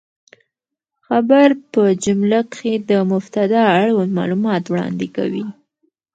خبر په جمله کښي د مبتداء اړوند معلومات وړاندي کوي.